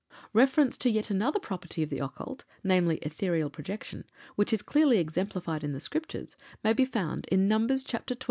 Reference to yet another property of the occult namely, Etherical Projection which is clearly exemplified in the Scriptures, may be found in Numbers, chapter xii.